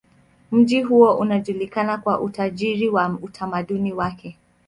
Mji huo unajulikana kwa utajiri wa utamaduni wake.